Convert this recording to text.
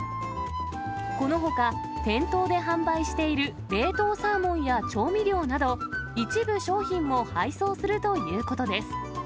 このほか、店頭で販売している冷凍サーモンや調味料など、一部商品も配送するということです。